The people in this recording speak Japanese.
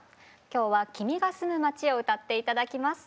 今日は「君が住む街」を歌って頂きます。